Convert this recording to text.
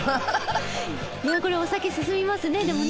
これお酒進みますねでもね。